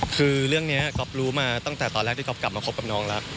คือเรื่องนี้ก๊อฟรู้มาตั้งแต่ตอนแรกที่ก๊อฟกลับมาคบกับน้องแล้ว